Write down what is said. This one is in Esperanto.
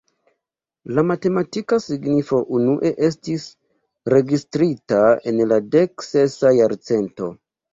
La matematika signifo unue estis registrita en la dek-sesa jarcento.